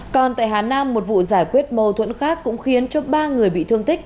còn tại hà nam một vụ giải quyết mâu thuẫn khác cũng khiến cho ba người bị thương tích